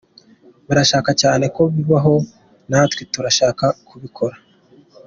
Barashaka cyane ko bibaho natwe turashaka kubikora.